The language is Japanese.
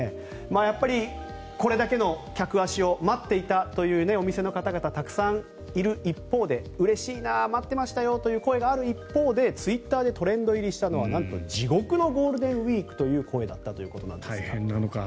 やっぱりこれだけの客足を待っていたというお店の方々、たくさんいる一方でうれしいな待ってましたよという声がある一方で、ツイッターでトレンド入りしたのはなんと「地獄のＧＷ」という声だったということなんですが。